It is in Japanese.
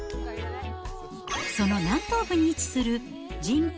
その南東部に位置する人口